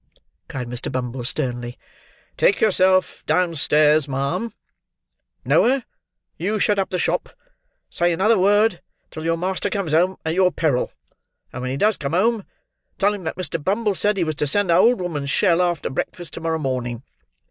cried Mr. Bumble, sternly. "Take yourself downstairs, ma'am. Noah, you shut up the shop; say another word till your master comes home, at your peril; and, when he does come home, tell him that Mr. Bumble said he was to send a old woman's shell after breakfast to morrow morning.